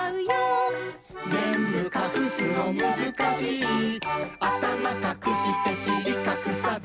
「ぜんぶかくすのむずかしい」「あたまかくしてしりかくさず」